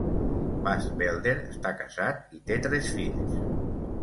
Bas Belder està casat i té tres fills.